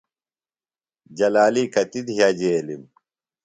جلالی کتیۡ دِھِیہ جیلِم؟